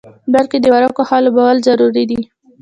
بلکې د ورقو ښه لوبول ضروري دي.